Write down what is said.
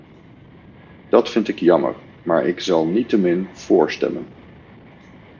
Dat vind ik jammer, maar ik zal niettemin voorstemmen.